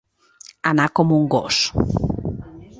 Anar com un gos.